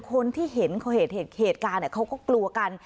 คนที่เห็นเหตุการณ์เขาก็กลัวกัน